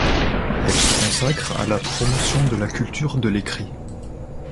Elle se consacre à la promotion de la culture de l'écrit.